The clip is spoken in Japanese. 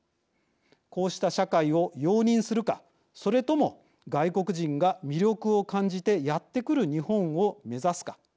こうした社会を容認するかそれとも外国人が魅力を感じてやってくる日本を目指すか。